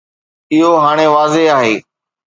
اهو هاڻي واضح آهي